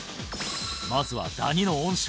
まずはダニの温床